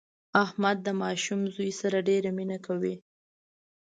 احمد د ماشوم زوی سره ډېره مینه کوي.